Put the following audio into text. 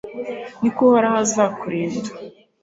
Ni koko Uhoraho azakurinda